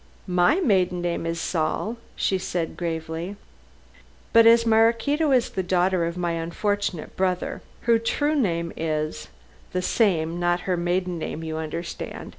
"My maiden name is Saul," she said gravely. "But as Maraquito is the daughter of my unfortunate brother, her true name is the same not her maiden name, you understand.